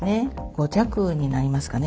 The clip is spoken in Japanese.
５弱になりますかね。